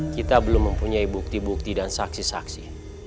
kita belum mempunyai bukti bukti dan saksi saksi